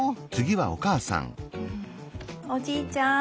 おじいちゃん？